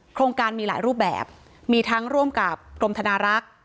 โครงการมีหลายรูปแบบมีทั้งร่วมกับกรมธนารักษ์